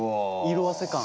色あせ感。